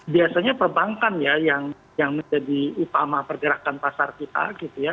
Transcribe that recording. biasanya perbankan ya yang menjadi utama pergerakan pasar kita gitu ya